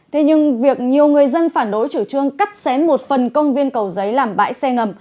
thế nhưng việc nhiều người dân phản đối chủ trương cắt xén một phần công viên cầu giấy làm bãi xe ngầm